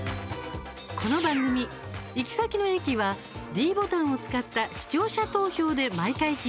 この番組、行き先の駅はｄボタンを使った視聴者投票で毎回決まるんです。